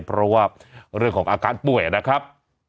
เพราะว่าเรื่องของอาการป่วยนะครับ